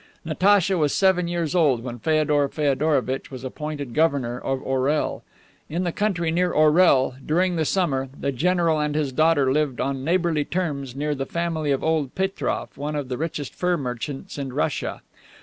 Natacha was seven years old when Feodor Feodorovitch was appointed governor of Orel. In the country near Orel, during the summer, the general and his daughter lived on neighborly terms near the family of old Petroff, one of the richest fur merchants in Russia.